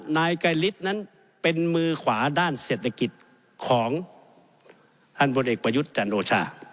นายไกรฤทธิ์นั้นเป็นมือขวาด้านเศรษฐกิจของท่านพลเอกประยุทธ์จันโอชา